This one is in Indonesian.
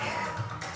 dua satu dan bergerak